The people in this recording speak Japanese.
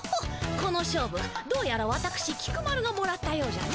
この勝負どうやらわたくし菊丸がもらったようじゃの。